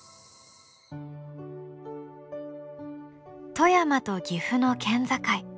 富山と岐阜の県境。